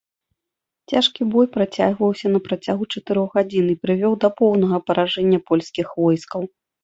Цяжкі бой працягваўся на працягу чатырох гадзін і прывёў да поўнага паражэння польскіх войскаў.